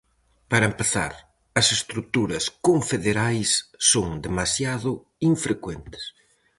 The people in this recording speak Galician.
Para empezar, as estruturas confederais son demasiado infrecuentes.